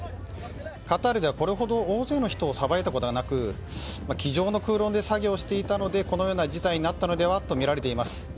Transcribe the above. カタールではこれほど大勢の人をさばいたことはなく机上の空論で作業していたのでこのような事態になったとみられています。